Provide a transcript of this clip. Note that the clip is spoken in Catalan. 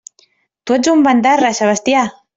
Tu ets un bandarra, Sebastià!